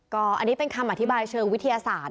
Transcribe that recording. ก็อันนี้เป็นคำอธิบายเชิงวิทยาศาสตร์